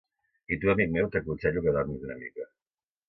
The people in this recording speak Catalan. I tu, amic meu, t'aconsello que dormis una mica.